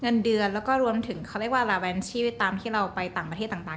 เงินเดือนแล้วก็รวมถึงเขาเรียกว่าลาแวนชีวิตตามที่เราไปต่างประเทศต่าง